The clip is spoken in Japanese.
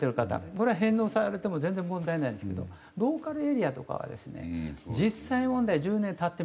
これは返納されても全然問題ないんですけどローカルエリアとかはですね実際問題１０年経ってみたらですね